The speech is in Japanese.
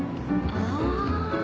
ああ。